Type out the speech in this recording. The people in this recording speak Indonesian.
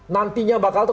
nantinya bakal tuh